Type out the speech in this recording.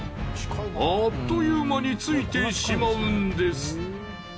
あっという間に着いてしまうんです。